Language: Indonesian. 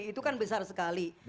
itu kan besar sekali